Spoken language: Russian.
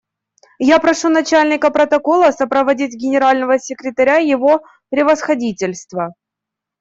Я прошу Начальника протокола сопроводить Генерального секретаря Его Превосходительство.